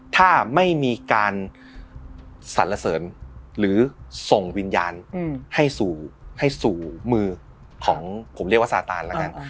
ถ้าไม่มีการสรรเสริญหรือส่งวิญญาณให้สู่มือของผมเรียกว่าสาตานแล้วกัน